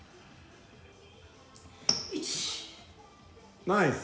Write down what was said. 「１」「ナイス」